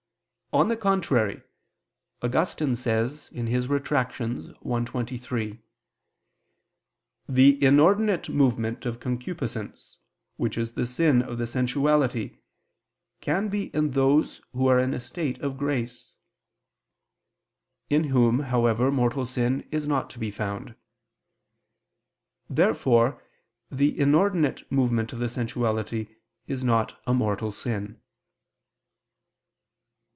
On the contrary, Augustine says (Retract. i, 23): "The inordinate movement of concupiscence, which is the sin of the sensuality, can even be in those who are in a state of grace," in whom, however, mortal sin is not to be found. Therefore the inordinate movement of the sensuality is not a mortal sin.